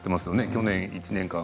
去年１年間。